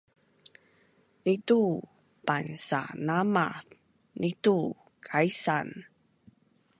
nitu pansanamaaz, nitu kaisaan